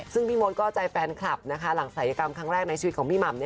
ซึ่งพี่มดเข้าใจแฟนครับนะคะหลังสายอาจารย์คำแรกในชีวิตของพี่มด